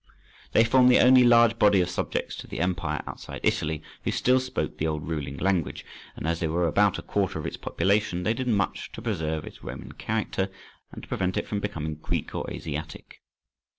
(16) They formed the only large body of subjects of the empire outside Italy, who still spoke the old ruling language, and as they were about a quarter of its population, they did much to preserve its Roman character, and to prevent it from becoming Greek or Asiatic.